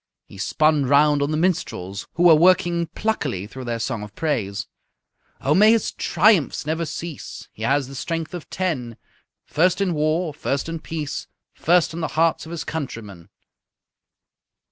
He spun round on the minstrels, who were working pluckily through their song of praise: _"Oh, may his triumphs never cease! He has the strength of ten! First in war, first in peace, First in the hearts of his countrymen."